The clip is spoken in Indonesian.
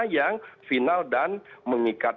yang final dan mengikat